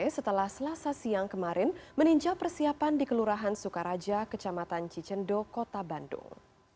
setelah selasa siang kemarin meninjau persiapan di kelurahan sukaraja kecamatan cicendo kota bandung